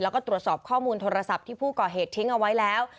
แล้วก็ตรวจสอบข้อมูลโทรศัพท์ที่ผู้ก่อเหตุทิ้งเอาไว้แล้ว